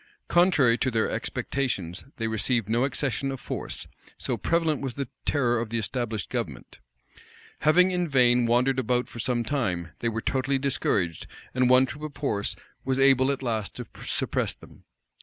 Contrary to their expectations, they received no accession of force; so prevalent was the terror of the established government. Having in vain wandered about for some time, they were totally discouraged; and one troop of horse was able at last to suppress them.